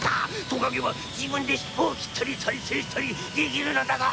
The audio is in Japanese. トカゲは自分で尻尾を切ったり再生したりできるのだぞ！